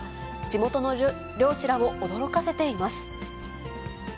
地元の漁師らを驚かせています。